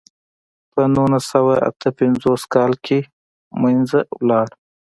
په نولس سوه اته پنځوس کال کې له منځه لاړ.